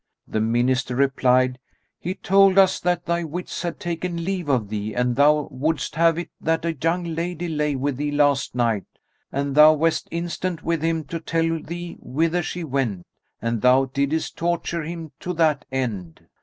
The Minister replied, "He told us that thy wits had taken leave of thee and thou wouldst have it that a young lady lay with thee last night, and thou west instant with him to tell thee whither she went and thou diddest torture him to that end."